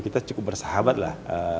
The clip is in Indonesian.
kita cukup bersahabat lah